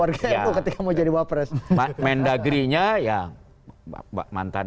warga ketika mau jadi wapres menagrinya ya mbak mbak mantan